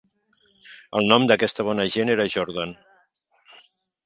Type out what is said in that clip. El nom d'aquesta bona gent era Jordan.